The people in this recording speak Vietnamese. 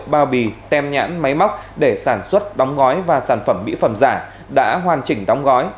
bao bì tem nhãn máy móc để sản xuất đóng gói và sản phẩm mỹ phẩm giả đã hoàn chỉnh đóng gói